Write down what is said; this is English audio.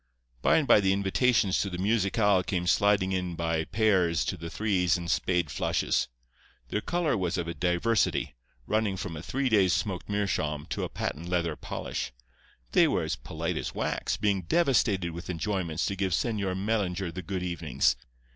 "By and by the invitations to the musicale came sliding in by pairs and threes and spade flushes. Their colour was of a diversity, running from a three days' smoked meerschaum to a patent leather polish. They were as polite as wax, being devastated with enjoyments to give Señor Mellinger the good evenings.